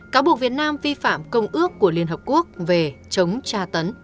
cáo buộc việt nam vi phạm công ước của liên hợp quốc về chống tra tấn